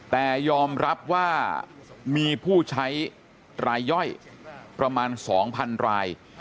แต่ยอมรับว่ามีผู้ใช้รายย่อยประมาณ๒๐๐๐ราย